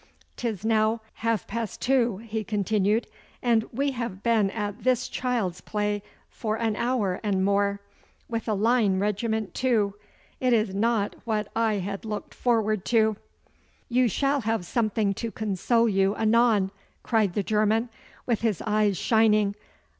''Tis now half past two,' he continued, 'and we have been at this child's play for an hour and more. With a line regiment, too! It is not what I had looked forward to!' 'You shall have something to console you anon,' cried the German, with his eyes shining.